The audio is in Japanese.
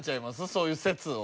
そういう説を。